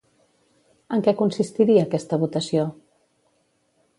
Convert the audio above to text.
En què consistiria aquesta votació?